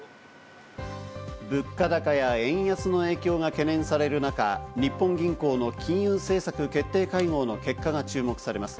物価高や円安の影響が懸念される中、日本銀行の金融政策決定会合の結果が注目されます。